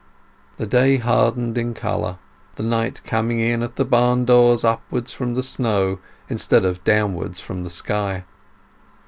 The day hardened in colour, the light coming in at the barndoors upwards from the snow instead of downwards from the sky.